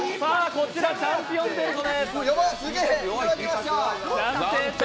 こちらチャンピオンベルトです。